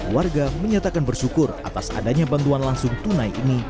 warga menyatakan bersyukur atas adanya bantuan langsung tunai ini